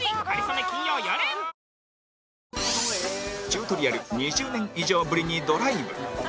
チュートリアル２０年以上ぶりにドライブ